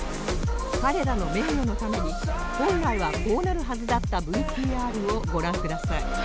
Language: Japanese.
彼らの名誉のために本来はこうなるはずだった ＶＴＲ をご覧ください